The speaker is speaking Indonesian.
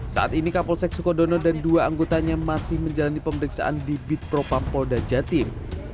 saat ini kapolsek sukodono dan dua anggotanya masih menjalani pemeriksaan di bit propam polda jatim